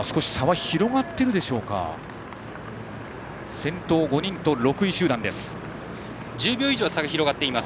先頭５人と６位集団です。